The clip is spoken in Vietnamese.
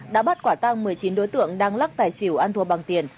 đã bắt quả tăng một mươi chín đối tượng đang lắc tài xỉu ăn thua bằng tiền